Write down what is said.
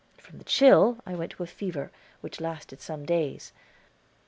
From the chill I went to a fever, which lasted some days.